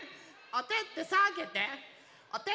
おててさげて。